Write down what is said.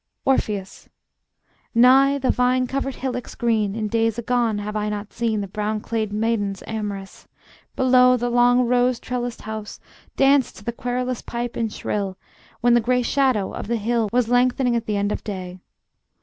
Orpheus: Nigh the vine covered hillocks green, In days agone, have I not seen The brown clad maidens amorous, Below the long rose trellised house, Dance to the querulous pipe and shrill, When the gray shadow of the hill Was lengthening at the end of day?